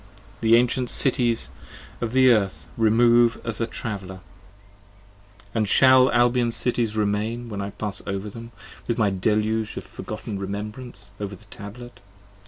The ancient Cities of the Earth remove as a traveller, 15 And shall Albion's Cities remain when I pass over them, With my deluge of forgotten remembrances over the tablet?